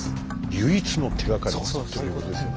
唯一の手がかりということですよね。